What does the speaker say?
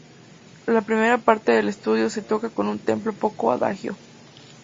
La primera parte del estudio se toca con un tempo "poco adagio".